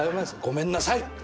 ごめんなさいって。